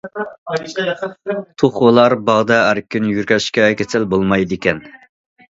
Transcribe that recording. توخۇلار باغدا ئەركىن يۈرگەچكە، كېسەل بولمايدىكەن.